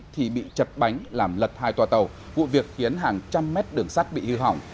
thì bị chật bánh làm lật hai toa tàu vụ việc khiến hàng trăm mét đường sắt bị hư hỏng